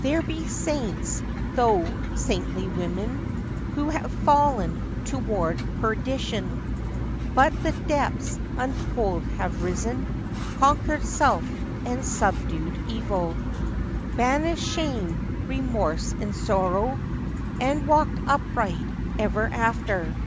There be saints, tho'—saintly women— Who have fallen toward perdition, But from depths untold have risen, Conquered self and subdued evil, Banished shame, remorse, and sorrow, And walked upright ever after.